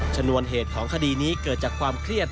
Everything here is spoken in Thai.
ชนวนเหตุของคดีนี้เกิดจากความเครียด